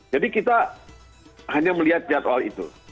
jadi kita hanya melihat jadwal itu